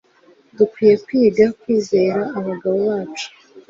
dukwiriye kwiga kwizera abagabo bacu